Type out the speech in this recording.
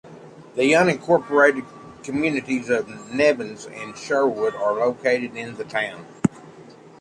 The unincorporated communities of Nevins and Sherwood are located in the town.